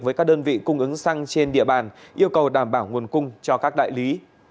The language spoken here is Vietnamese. với các đơn vị cung ứng xăng trên địa bàn yêu cầu đảm bảo nguồn cung cho các đại lý